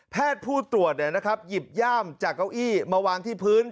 แพทย์ผู้ตรวจเนี่ยนะครับหยิบย่ามจากเก้าอี้มาวางที่พื้น